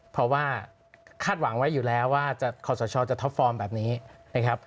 เพราะว่าคาดหวังไว้อยู่แล้วว่าขอสชจะท็อปฟอร์มแบบนี้นะครับ